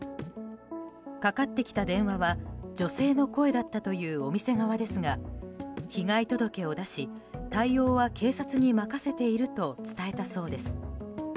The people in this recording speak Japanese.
かかってきた電話は女性の声だったというお店側ですが被害届を出し対応は警察に任せていると伝えそうです。